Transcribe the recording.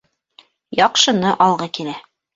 Яҡшыны алғы килә.